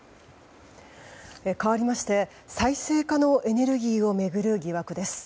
かわりまして再生可能エネルギーを巡る疑惑です。